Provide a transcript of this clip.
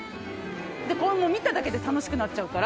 で、これ、もう見ただけで楽しくなっちゃうから。